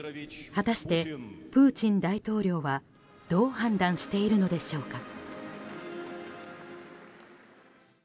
果たして、プーチン大統領はどう判断しているのでしょうか。